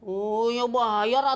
oh ya bahaya ratu